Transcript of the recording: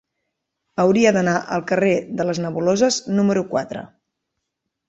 Hauria d'anar al carrer de les Nebuloses número quatre.